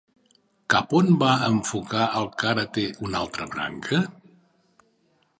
Cap on van enfocar el karate una altra branca?